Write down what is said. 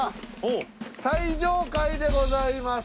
最上階でございます。